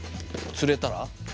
釣れたら。